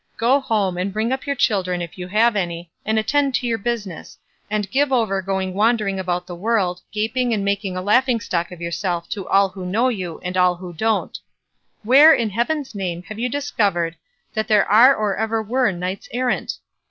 Go home and bring up your children if you have any, and attend to your business, and give over going wandering about the world, gaping and making a laughing stock of yourself to all who know you and all who don't. Where, in heaven's name, have you discovered that there are or ever were knights errant?